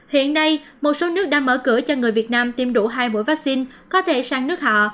hiện nay một số nước đang mở cửa cho người việt nam tiêm đủ hai mũi vaccine có thể sang nước họ